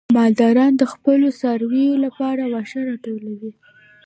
مالداران د خپلو څارویو لپاره واښه راټولوي.